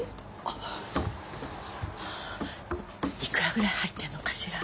いくらぐらい入ってるのかしら。